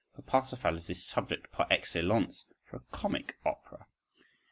For Parsifal is the subject par excellence for a comic opera.